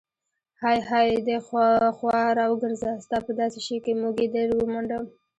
های های دې خوا راوګرزه، ستا په دا شي کې موږی در ومنډم.